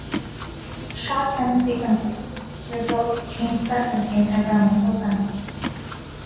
Shotgun sequencing reveals genes present in environmental samples.